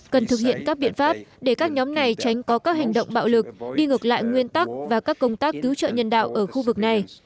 cần thực hiện các biện pháp để các nhóm này tránh có các hành động bạo lực đi ngược lại nguyên tắc và các công tác cứu trợ nhân đạo ở khu vực này